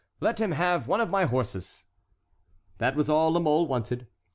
Let him have one of my horses." That was all La Mole wanted.